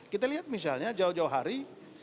kita lihat misalnya jauh jauh hari